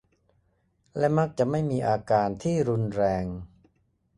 และมักจะไม่มีอาการที่รุนแรง